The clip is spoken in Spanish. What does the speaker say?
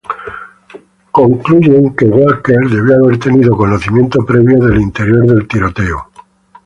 Concluyen que Walker debió haber tenido conocimiento previo del interior del tiroteo.